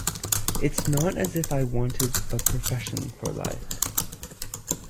It's not as if I wanted a profession for life.